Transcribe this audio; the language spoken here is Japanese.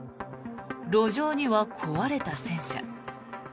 路上には壊れた戦車。